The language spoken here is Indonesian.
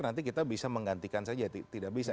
nanti kita bisa menggantikan saja tidak bisa